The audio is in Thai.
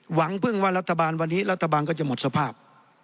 หวังพึ่งว่ารัฐบาลวันนี้รัฐบาลก็จะหมดสภาพ